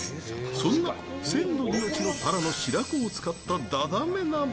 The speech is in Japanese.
そんな鮮度命のタラの白子を使ったダダメ鍋。